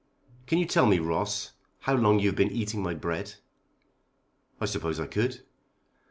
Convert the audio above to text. "Can you tell me, Ross, how long you have been eating my bread?" "I suppose I could."